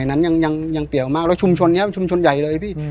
อันไหนนั้นยังเปรียวมากแล้วชุมชนนี้ชุมชนใหญ่เลยพี่